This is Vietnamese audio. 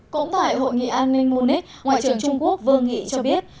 cũng tại hội nghị an ninh munich ngoại trưởng trung quốc vương nghị cho biết